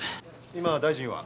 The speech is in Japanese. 今大臣は？